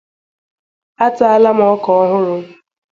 Ataala m ọka ọhụrụ